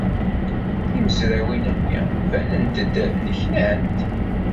Timezrawin-nni banent-d nneknant.